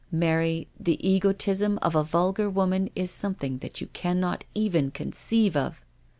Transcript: Mary, the egotism of a vulgar woman is something that you cannot even conceive of."